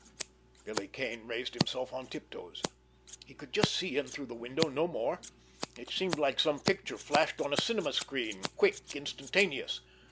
Billy Kane raised himself on tiptoes. He could just see in through the window; no more. It seemed like some picture flashed on a cinema screen, quick, instantaneous.